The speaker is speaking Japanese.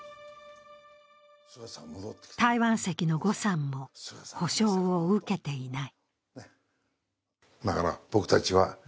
台湾籍の呉さんも補償を受けていない。